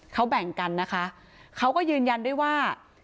เขาแบ่งกันนะคะเขาก็ยืนยันด้วยว่า